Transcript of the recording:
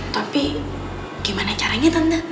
tapi gimana caranya tante